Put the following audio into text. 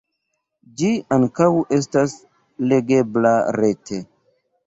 Ĝi ankaŭ estas legebla rete.